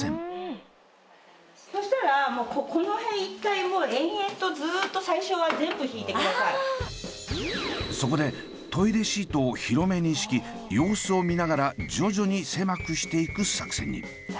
そしたらそこでトイレシートを広めに敷き様子を見ながら徐々に狭くしていく作戦に。